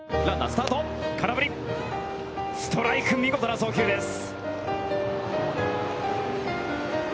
ストライク、見事な送球です。